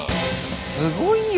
すごいよ！